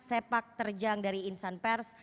sepak terjang dari insan pers